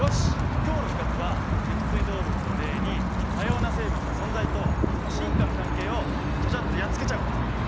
今日の部活は脊椎動物を例に多様な生物の存在とその進化の関係をチャチャッとやっつけちゃおう！